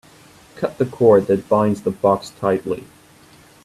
Cut the cord that binds the box tightly.